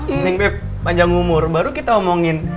ini yang kayak panjang umur baru kita omongin